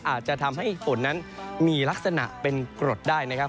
อาจจะทำให้ฝนนั้นมีลักษณะเป็นกรดได้นะครับ